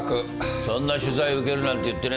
そんな取材受けるなんて言ってねえぞ俺は。